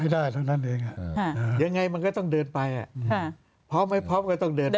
ยังไงมันก็ต้องเดินไปพร้อมไหมพร้อมก็ต้องเดินไป